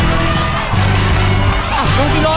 สามคู่เลยจ๊ะ